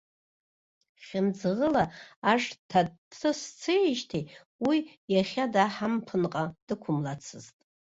Хьымӡӷыла ашҭа дҭысцеижьҭеи, уи иахьада ҳамԥынҟа дықәымлацызт.